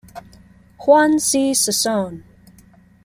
Juan C. Sison.